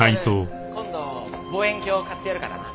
昴今度望遠鏡買ってやるからな。